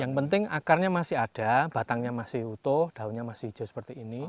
yang penting akarnya masih ada batangnya masih utuh daunnya masih hijau seperti ini